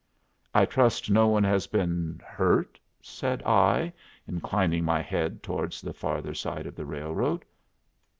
"I trust no one has been hurt?" said I, inclining my head towards the farther side of the railroad.